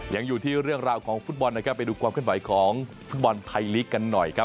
อย่างอยู่ที่เรื่องราวของฟุตบอลไปดูความค่อนข้างไหวของฟุตบอลไทยลีกกันหน่อย